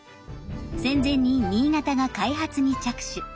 戦前に新潟が開発に着手。